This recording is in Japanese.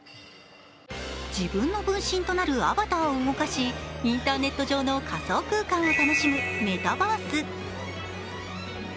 自分の分身となるアバターを動かしインターネット上の仮想空間を楽しむ、メタバース。